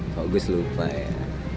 kau gue lupa ya